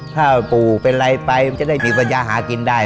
ถ้าปู่เป็นอะไรไปมันจะได้มีปัญญาหากินได้